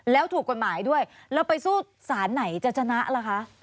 แล้วถูกกฎหมายด้วยแล้วไปสู้สารไหนจะชนะล่ะคะ